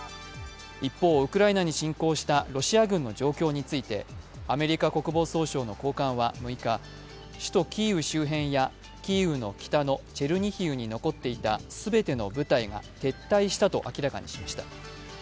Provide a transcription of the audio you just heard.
一方、ウクライナに侵攻したロシア軍の状況についてアメリカ国防総省の高官は６日首都キーウ周辺やキーウの北のチェルニヒウに残っていた全ての部隊が撤退したと明らかにしました。